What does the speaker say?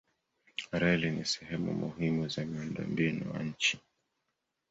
Reli ni sehemu muhimu za miundombinu wa nchi.